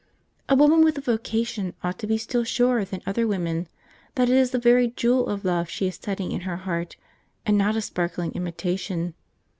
A woman with a vocation ought to be still surer than other women that it is the very jewel of love she is setting in her heart, and not a sparkling imitation.